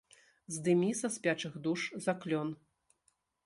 Здымі са спячых душ заклён!